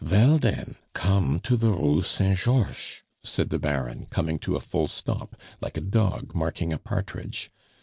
"Vel, den, come to the Rue Saint Georches," said the Baron, coming to a full stop like a dog marking a partridge.